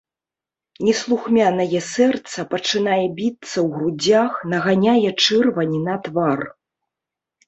Неслухмянае сэрца пачынае біцца ў грудзях, наганяе чырвань на твар.